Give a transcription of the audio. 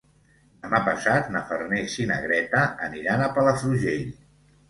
Demà passat na Farners i na Greta aniran a Palafrugell.